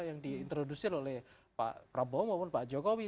yang diintrodusir oleh pak prabowo maupun pak jokowi